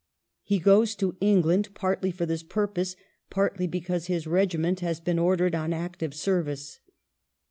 He goes to England, partly for this purpose, partly because his regiment has been ordered on active service.